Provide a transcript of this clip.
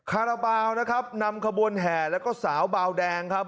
คาราบาลนะครับนำขบวนแห่แล้วก็สาวบาวแดงครับ